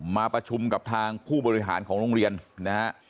มาประชุมกับทางผู้บริหารของโรงเรียนนะฮะ